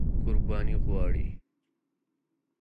قرباني غواړي.